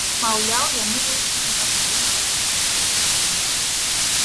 Маўляў, яны ледзь не на паклон пайшлі да кайзера.